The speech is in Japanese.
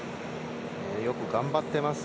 よく頑張ってます。